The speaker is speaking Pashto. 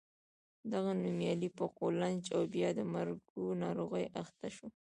دغه نومیالی په قولنج او بیا د مرګو ناروغۍ اخته شو.